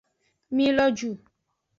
Mi lo ju.